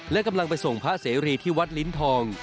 และกำลังไปส่งพระเสรีที่วัดลิ้นทอง